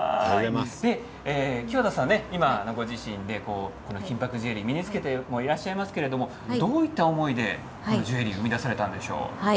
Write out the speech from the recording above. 木和田さんはご自身で金ぱくジュエリーを身に着けていらっしゃいますけれどどういった思いでジュエリーを生み出したんですか。